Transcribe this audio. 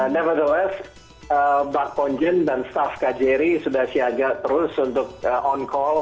namun pak konjen dan staf kjri sudah siaga terus untuk on call